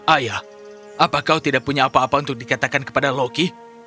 ayah apa kau tidak punya apa apa untuk dikatakan kepada loki